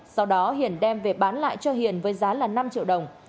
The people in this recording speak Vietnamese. sau đó hiển đem về bán lại cho hiển với giá là năm triệu đồng